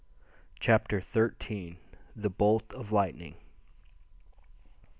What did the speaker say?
CHAPTER XIII. THE BOLT OF LIGHTNING.